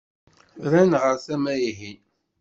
Rran ɣer tama-ihin.